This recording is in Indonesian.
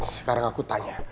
sekarang aku tanya